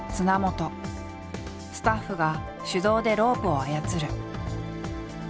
スタッフが手動でロープを操る。